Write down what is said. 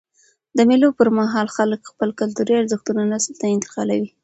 د مېلو پر مهال خلک خپل کلتوري ارزښتونه نسل ته انتقالوي.